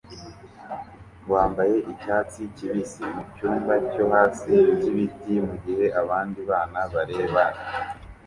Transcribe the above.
wambaye icyatsi kibisi mucyumba cyo hasi cyibiti mugihe abandi bana bareba